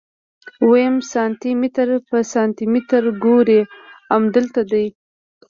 ويم سانتي متر په سانتي متر وګروئ امدلته دي.